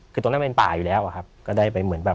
คือตรงนั้นเป็นป่าอยู่แล้วอะครับก็ได้ไปเหมือนแบบ